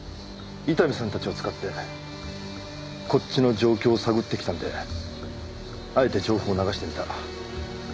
伊丹さんたちを使ってこっちの状況を探ってきたんであえて情報を流してみた。